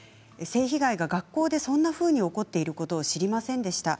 性被害が学校でそんなふうに起こっていることを知りませんでした。